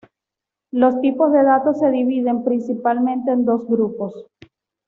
Los tipos de datos se dividen principalmente en dos grupos.